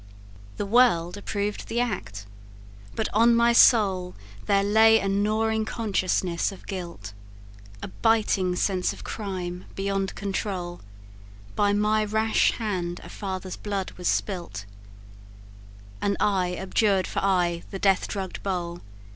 "The world approved the act; but on my soul There lay a gnawing consciousness of guilt, A biting sense of crime, beyond control: By my rash hand a father's blood was spilt, And I abjured for aye the death drugg'd bowl.